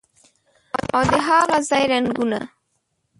او د هاغه ځای رنګونه